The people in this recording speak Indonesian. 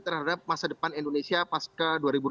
terhadap masa depan indonesia pas ke dua ribu dua puluh